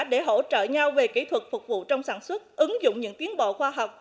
để hỗ trợ nhau về kỹ thuật phục vụ trong sản xuất ứng dụng những tiến bộ khoa học